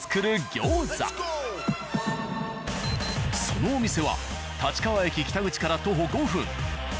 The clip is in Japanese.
そのお店は立川駅北口から徒歩５分。